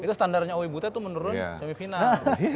itu standarnya oe bute tuh menurun semifinal